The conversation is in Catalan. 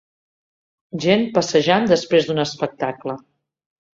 Gent passejant després d'un espectacle